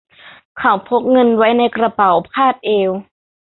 เขาพกเงินไว้ในกระเป๋าคาดเอว